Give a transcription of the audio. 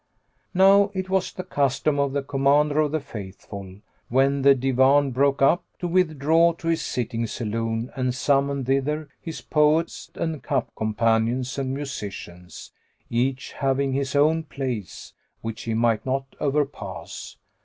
Now it was the custom of the Commander of the Faithful, when the Divan broke up, to withdraw to his sitting saloon and summon thither his poets and cup companions and musicians, each having his own place, which he might not overpass.